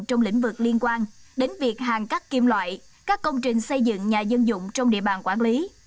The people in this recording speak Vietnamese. trong lĩnh vực liên quan đến việc hàn cắt kim loại các công trình xây dựng nhà dân dụng trong địa bàn quản lý